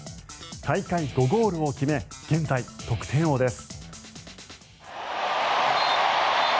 大会５ゴールを決め現在、得点王です。